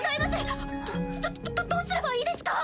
どどどどうすればいいですか？